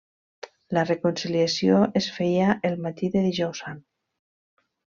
La reconciliació es feia el matí del Dijous Sant.